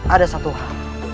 ada satu hal